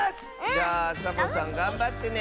じゃあサボさんがんばってね！